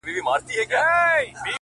زما و فكر ته هـا سـتا د كور كوڅـه راځي’